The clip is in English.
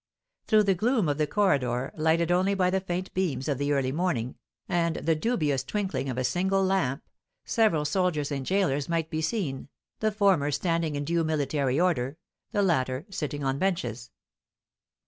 Through the gloom of the corridor, lighted only by the faint beams of the early morning, and the dubious twinkling of a single lamp, several soldiers and gaolers might be seen, the former standing in due military order, the later sitting on benches.